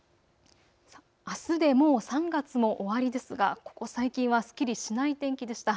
あすでもう３月も終わりですがここ最近はすっきりしない天気でした。